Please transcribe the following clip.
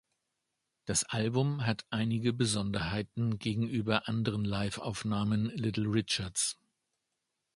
Das Album hat einige Besonderheiten gegenüber anderen Live-Aufnahmen Little Richards.